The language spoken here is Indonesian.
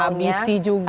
harus beran abisi juga